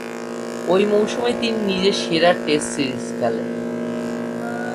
ঐ মৌসুমে তিনি নিজের সেরা টেস্ট সিরিজ খেলেন।